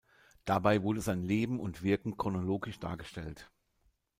Dabei wurde sein Leben und Wirken chronologisch dargestellt.